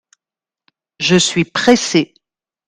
Je suis pressé.